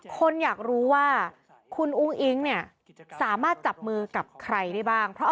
คนอยากรู้ว่าคุณอุ้งอิ๊งเนี่ยสามารถจับมือกับใครได้บ้าง